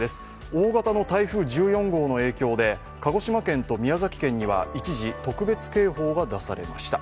大型の台風１４号の影響で鹿児島県と宮崎県には一時、特別警報が出されました。